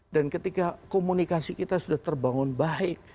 dan ketika komunikasi kita sudah terbangun baik